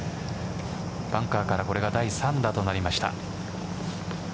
バンカーからこれが第３打となりました。